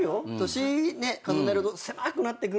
年重ねると狭くなってくる。